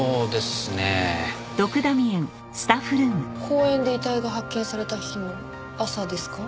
公園で遺体が発見された日の朝ですか？